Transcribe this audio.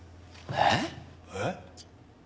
えっ。